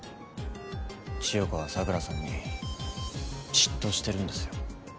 千代子は桜さんに嫉妬してるんですよ。